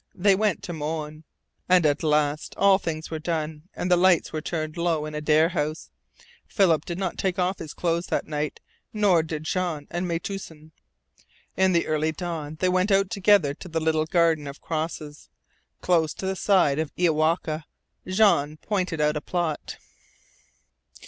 They went to Moanne. And at last all things were done, and the lights were turned low in Adare House. Philip did not take off his clothes that night, nor did Jean and Metoosin. In the early dawn they went out together to the little garden of crosses. Close to the side of Iowaka, Jean pointed out a plot.